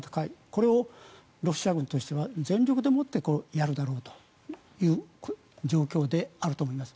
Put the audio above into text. これをロシア軍としては全力でもってやるだろうという状況であると思います。